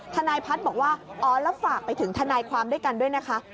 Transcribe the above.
ทนายพัฒน์บอกว่าอ๋อแล้วฝากไปถึงทนายความด้วยกันด้วยนะคะ